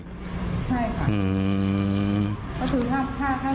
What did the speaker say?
ใช่ค่ะอืม